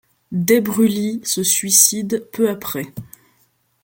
Des Brulys se suicide peu après.